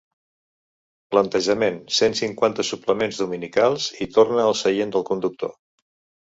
Plantejament cent cinquanta suplements dominicals i torna al seient del conductor.